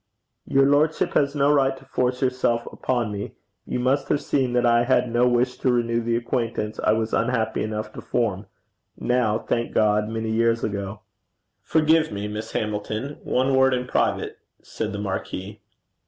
'Your lordship has no right to force yourself upon me. You must have seen that I had no wish to renew the acquaintance I was unhappy enough to form now, thank God, many years ago.' 'Forgive me, Miss Hamilton. One word in private,' said the marquis.